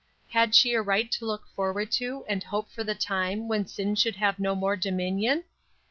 Had she a right to look forward to and hope for the time when sin should have no more dominion?